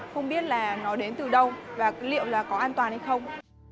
không biết là nó đến từ đâu và liệu là có an toàn hay không